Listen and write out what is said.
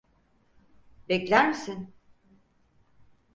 Bekler misin?